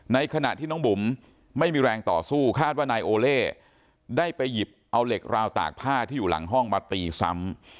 ในขณะที่น้องบุ๋มไม่มีแรงต่อสู้คาดว่านายโอเล่ได้ไปหยิบเอาเหล็กราวตากผ้าที่อยู่หลังห้องมาตีซ้ำ